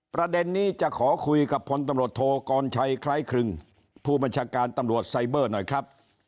ประเด็นนี้จะขอคุยกับพลตำรวจโทกรชัยคล้ายครึ่งผู้บัญชาการตำรวจไซเบอร์หน่อยครับ